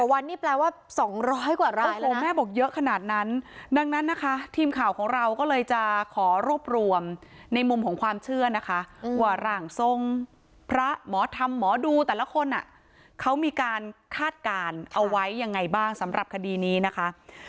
วันนี้แปลว่า๒๐๐กว่าร่างคนแม่บอกเยอะขนาดนั้นดังนั้นนะคะทีมข่าวของเราก็เลยจะขอรวบรวมในมุมของความเชื่อนะคะว่าร่างทรงพระหมอธรรมหมอดูแต่ละคนเขามีการคาดการณ์เอาไว้ยังไงบ้างสำหรับคดีนี้นะคะ